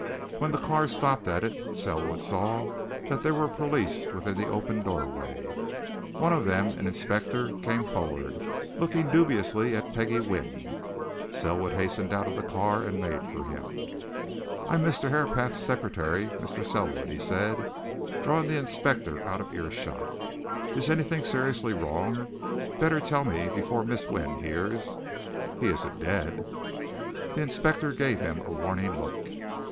When the car stopped at it, Selwood saw that there were police within the open doorway. One of them, an inspector, came forward, looking dubiously at Peggie Wynne. Selwood hastened out of the car and made for him. "I'm Mr. Herapath's secretary Mr. Selwood," he said, drawing the inspector out of earshot. "Is anything seriously wrong? better tell me before Miss Wynne hears. He isn't dead?" The inspector gave him a warning look.